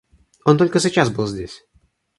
— Он только сейчас был здесь.